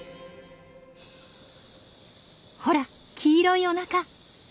ほら黄色いおなか！